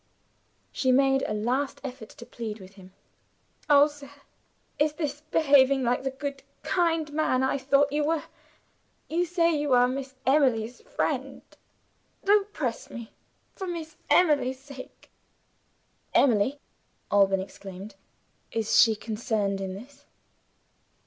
She made a last effort to plead with him. "Oh sir, is this behaving like the good kind man I thought you were? You say you are Miss Emily's friend? Don't press me for Miss Emily's sake!" "Emily!" Alban exclaimed. "Is she concerned in this?"